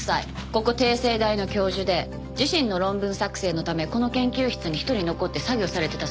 ここ帝政大の教授で自身の論文作成のためこの研究室に一人残って作業されてたそうよ。